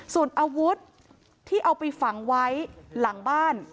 ส่วนอาวุธที่เอาไปฝังไว้หลังบ้าน